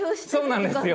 そうなんですよ。